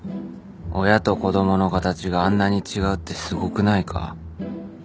親と子供の形があんなに違うってすごくないか。